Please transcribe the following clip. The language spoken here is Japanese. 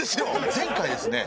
前回ですね